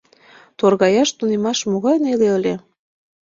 Торгаяш тунемаш могай неле ыле!